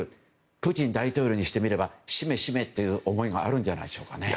プーチン大統領にしてみればしめしめという思いがあるんじゃないんですかね。